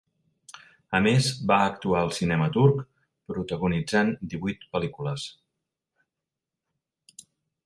A més, va actuar al cinema turc, protagonitzant divuit pel·lícules.